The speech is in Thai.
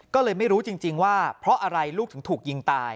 ก็เลยไม่รู้จริงว่าเพราะอะไรลูกถึงถูกยิงตาย